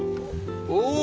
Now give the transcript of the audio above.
おお！